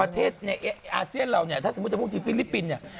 ประเทศอาเซียนเราเนี่ยถ้าสมมุติว่าฟิลิปปินต์เนี่ย